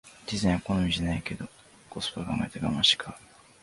デザインが好みじゃないけどコスパ考えたらガマンして買う